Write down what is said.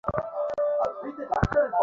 সেগুলি গেল কোথায়, কেহই জানে না।